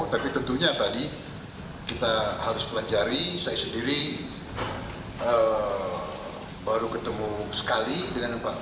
tapi tentunya tadi kita harus pelajari saya sendiri baru ketemu sekali dengan pak